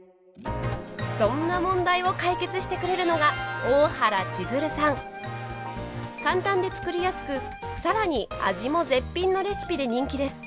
そんな問題を解決してくれるのが簡単で作りやすくさらに味も絶品のレシピで人気です。